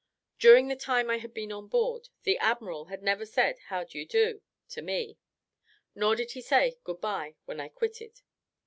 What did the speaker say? During the time I had been on board, the admiral had never said, "How do ye do?" to me nor did he say, "Good bye," when I quitted.